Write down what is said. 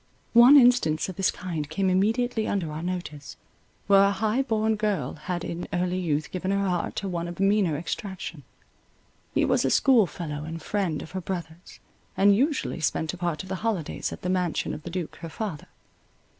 One instance of this kind came immediately under our notice, where a high born girl had in early youth given her heart to one of meaner extraction. He was a schoolfellow and friend of her brother's, and usually spent a part of the holidays at the mansion of the duke her father.